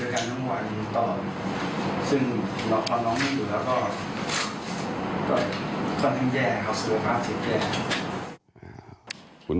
หลังความน้องไม่อยู่แล้วก็ก็ก็ยังแย่ครับสภาพเจ็บแย่ครับคุณ